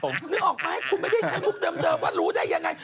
คุณนึกออกไหมคุณไม่ได้ใช้มุกเดิมว่ารู้ได้ยังไง